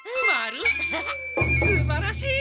すばらしい！